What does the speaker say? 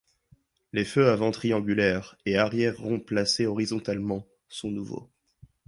Les feux avant triangulaires et arrière ronds placés horizontalement sont nouveaux.